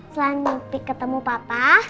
selain mimpi ketemu papa